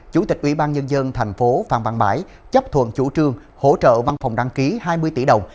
chủ tịch ubnd tp vnb chấp thuận chủ trương hỗ trợ văn phòng đăng ký hai mươi tỷ đồng